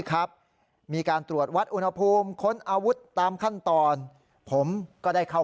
ครับมีการตรวจวัดอุณหภูมิค้นอาวุธตามขั้นตอนผมก็ได้เข้า